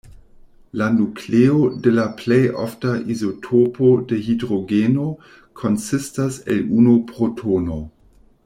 La nukleo de la plej ofta izotopo de hidrogeno konsistas el unu protono.